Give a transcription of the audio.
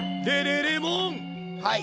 はい。